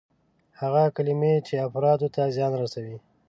هغه کلمې چې افرادو ته زیان رسوي.